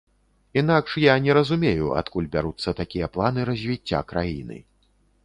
Інакш я не разумею, адкуль бяруцца такія планы развіцця краіны.